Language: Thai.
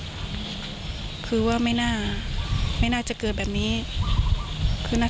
โทรไปถามว่าแม่ช่วยด้วยถูกจับ